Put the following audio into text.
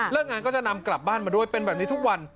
งานก็จะนำกลับบ้านมาด้วยเป็นแบบนี้ทุกวัน